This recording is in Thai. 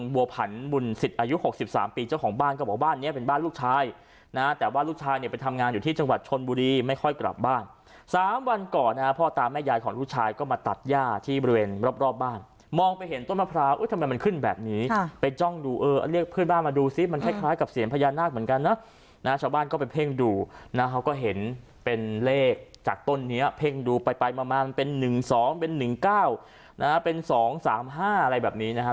บัวผันบุญสิทธิ์อายุหกสิบสามปีเจ้าของบ้านก็บอกบ้านเนี้ยเป็นบ้านลูกชายนะฮะแต่ว่าลูกชายเนี้ยไปทำงานอยู่ที่จังหวัดชนบุรีไม่ค่อยกลับบ้านสามวันก่อนนะฮะพ่อตามแม่ยายของลูกชายก็มาตัดย่าที่บริเวณรอบรอบบ้านมองไปเห็นต้นมะพร้าวอุ๊ยทำไมมันขึ้นแบบนี้ฮะไปจ้องดูเออเรียกเพื่อนบ้